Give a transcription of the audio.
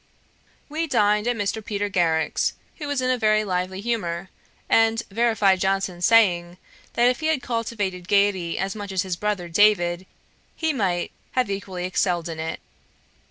We dined at Mr. Peter Garrick's, who was in a very lively humour, and verified Johnson's saying, that if he had cultivated gaiety as much as his brother David, he might have equally excelled in it.